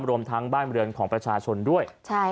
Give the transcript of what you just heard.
รวมทั้งบ้านบริเวณของประชาชนด้วย